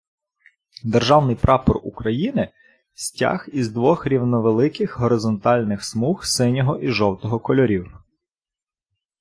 Державний Прапор України - стяг із двох рівновеликих горизонтальних смуг синього і жовтого кольорів.